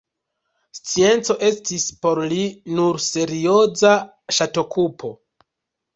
Scienco estis por li nur serioza ŝatokupo.